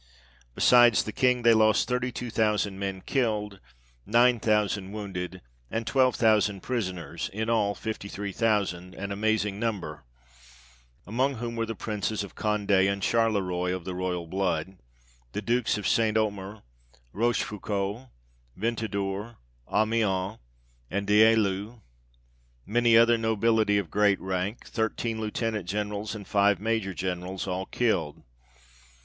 Besides the King they lost thirty two thousand men killed, nine thousand wounded, and twelve thousand prisoners ; in all fifty three thousand, an amazing number ; among whom were the Princes of Conde, and Charlerois of the blood royal ; the Dukes of St. Omer, Rochefoucault, Ventadour, Amiens, and D'Elieu, many other Nobility of great rank, thirteen Lieutenant Generals, and five Major Generals, all killed.